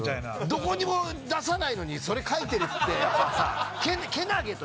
どこにも出さないのにそれ書いてるってやっぱさけなげというか。